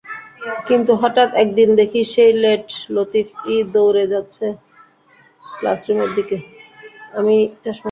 কিন্তু হঠাৎ একদিন দেখি, সেই লেট লতিফই দৌড়ে যাচ্ছে ক্লাসরুমের দিকে।